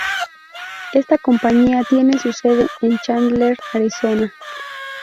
Esta compañía tiene su sede en Chandler, Arizona.